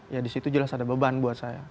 ya di situ jelas ada beban buat saya